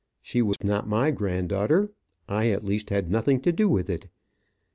She was not my granddaughter. I, at least, had nothing to do with it.